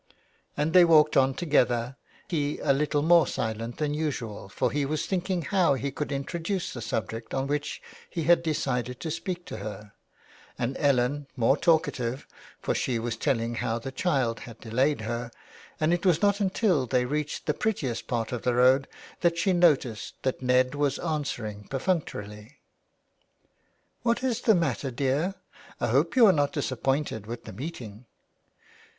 And they walked on together, he a little more silent than usual, for he was thinking how he could introduce the subject on which he had decided to speak to her, and Ellen more talkative, for she was telling how the child had delayed her, and it was not until they reached the prettiest part of the road that she noticed that Ned was answering perfunctorily. " What is the matter, dear ? I hope you are not disappointed with the meeting